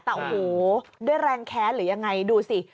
แต่โอ้โหด้วยแรงแค้นหรือยังไงดูสิ